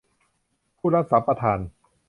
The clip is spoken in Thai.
ผู้รับสัมปทาน